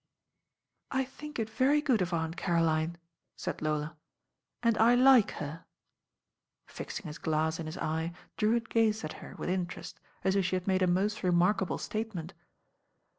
"I think it very good of Aunt Caroline," said Lola, "and Hike her." Fixing his glass in his eye Drewitt gazed at hei With mterest, as if she had made a most remarkable statement.